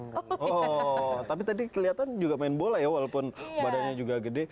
oh tapi tadi kelihatan juga main bola ya walaupun badannya juga gede